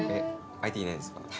相手いないんですか？